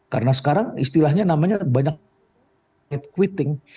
karena sekarang istilahnya namanya banyak quitting